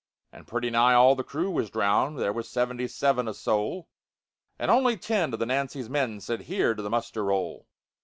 "And pretty nigh all the crew was drowned (There was seventy seven o' soul), And only ten of the Nancy's men Said 'here' to the muster roll.